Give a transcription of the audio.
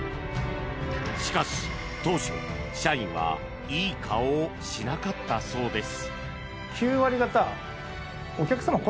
しかし当初、社員はいい顔をしなかったそうです。